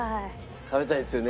食べたいですよね。